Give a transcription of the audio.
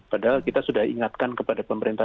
padahal kita sudah ingatkan kepada pemerintah